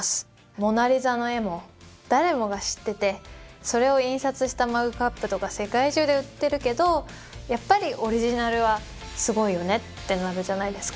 「モナ・リザ」の絵も誰もが知っててそれを印刷したマグカップとか世界中で売ってるけど「やっぱりオリジナルはすごいよね」ってなるじゃないですか。